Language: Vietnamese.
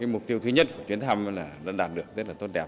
mục tiêu thứ nhất của chuyến thăm là nó đạt được rất là tốt đẹp